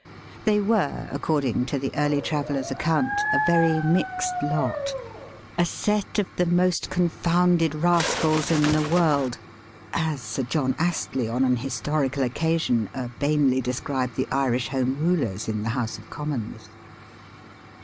They were, according to the early traveller's account, a very mixed lot —*' a set of the most confounded rascals in the world," as Sir John Astley, on an historical occasion, urbanely described the Irish Home Eulers in the House of Commons.